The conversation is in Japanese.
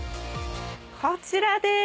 こちらでーす！